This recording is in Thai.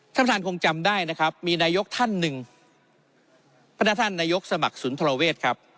ท่านท่านคงจำได้นะครับมีนายกท่านหนึ่งพระนาท่านนายกสมัครศูนย์ธราเวทครับ